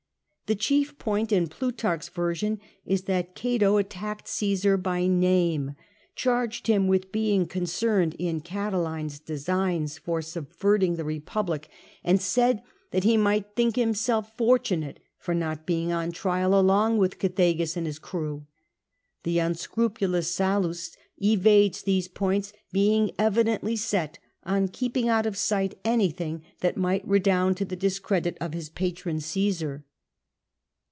The chief point in Plutarch's version is that Cato attacked Caesar by name, charged him with being concerned in Catiline's designs for subverting THE CATILINARIAN CONSPIRACY 211 tne Republic, and said that be might think himself fortunate for not being on trial along with Oethegus and his crew. The unscrupulous Sallust evades these points, being evidently set on keeping out of sight anything that might redound to the discredit of his patron Caesar.